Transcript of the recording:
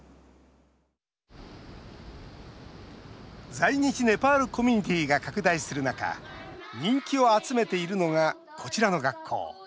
在日ネパールコミュニティーが拡大する中人気を集めているのがこちらの学校。